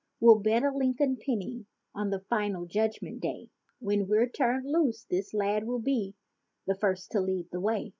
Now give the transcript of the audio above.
We'll bet a Lincoln penny, on the final Judgment Day When we're turned loose, this lad will be the first to lead the way.